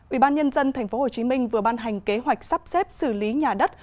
ủy ban nhân dân tp hcm vừa ban hành kế hoạch sắp xếp xử lý nhà đất